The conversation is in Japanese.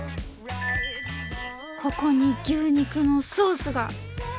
ここに牛肉のソースが！